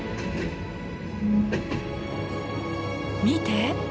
見て！